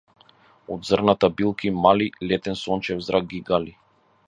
Од зрната билки мали - летен сончев зрак ги гали.